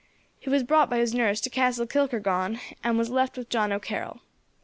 He was brought by his nurse to Castle Kilkargan, and was left with John O'Carroll.